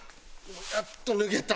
やっと脱げた！